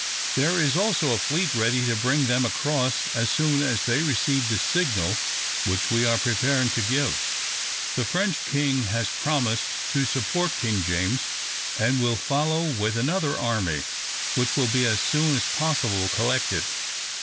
There is also a fleet ready to bring them across as soon as they receive the signal which we are preparing to give. The French king has promised to support King James, and will follow with another army, which will be as soon as possible collected."